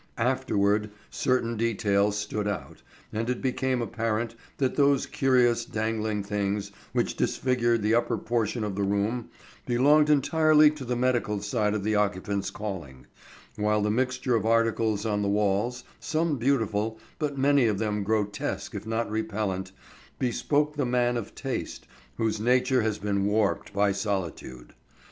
Afterward, certain details stood out, and it became apparent that those curious dangling things which disfigured the upper portion of the room belonged entirely to the medical side of the occupant's calling, while the mixture of articles on the walls, some beautiful, but many of them grotesque if not repellant, bespoke the man of taste whose nature has been warped by solitude.